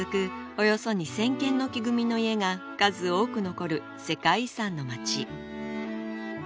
およそ２０００軒の木組みの家が数多く残る世界遺産の町